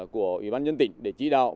của ủy ban nhân tỉnh để chỉ đạo